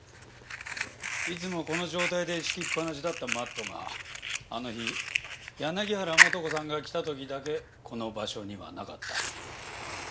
いつもこの状態で敷きっぱなしだったマットがあの日柳原元子さんが来た時だけこの場所にはなかった。